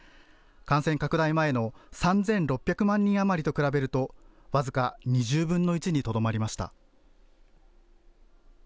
感染拡大前の３６００万人余りと比べると僅か２０分の１にとどまりました。